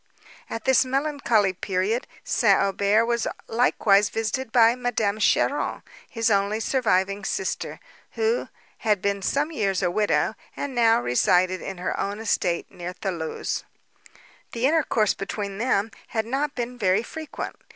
At this melancholy period St. Aubert was likewise visited by Madame Cheron, his only surviving sister, who had been some years a widow, and now resided on her own estate near Thoulouse. The intercourse between them had not been very frequent.